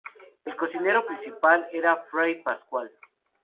El cocinero principal era fray Pascual.